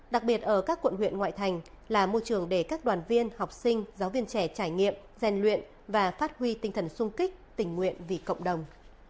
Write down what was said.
đặc biệt ở các quận huyện ngoại thành là môi trường để các đoàn viên học sinh giáo viên trẻ trải nghiệm gian luyện và phát huy tinh thần sung kích tình nguyện vì cộng đồng